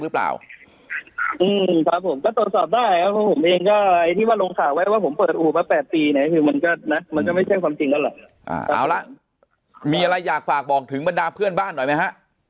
เอาละมีอะไรอยากฝากบอกถึงบรรดาเพื่อนบ้านหน่อยไหมฮะ